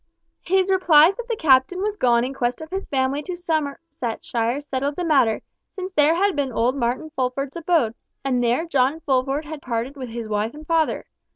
His replies that the Captain was gone in quest of his family to Somersetshire settled the matter, since there had been old Martin Fulford's abode, and there John Fulford had parted with his wife and father.